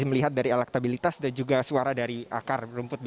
melihat dari elektabilitas dan juga suara dari akar rumput